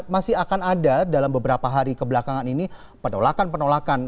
masih akan ada dalam beberapa hari kebelakangan ini penolakan penolakan